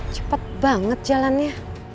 cepat banget jalannya